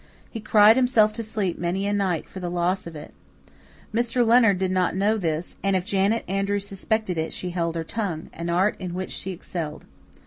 He cried himself to sleep many a night for the loss of it. Mr. Leonard did not know this, and if Janet Andrews suspected it she held her tongue an art in which she excelled.